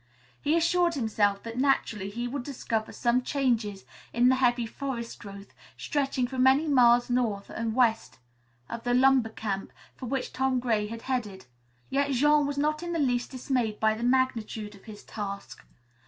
He assured himself that naturally he would discover some changes in the heavy forest growth, stretching for many miles north and west of the lumber camp for which Tom Gray had headed. Yet Jean was not in the least dismayed by the magnitude of his task.